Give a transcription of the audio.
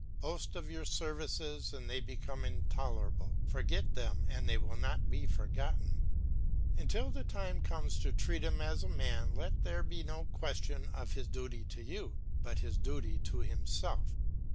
Boast of your services and they become intolerable; forget them and they will not be forgotten. Until the time comes to treat him as a man let there be no question of his duty to you, but his duty to himself.